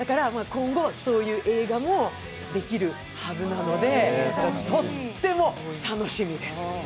今後、そういう映画もできるはずなので、とっても楽しみです。